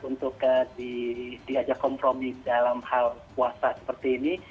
untuk diajak kompromi dalam hal puasa seperti ini